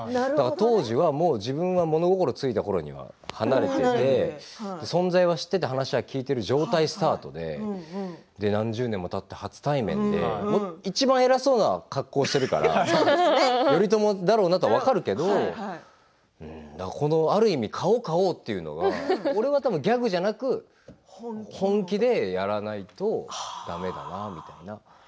当時は自分は物心ついたころには離れていて存在は知っていて話を聞いているスタートで何十年もたって初対面でいちばん偉そうな格好しているから頼朝だろうなって分かるだろうけどある意味、顔、顔っていうのはこれはギャグじゃなく本気でやらないとだめだなみたいな。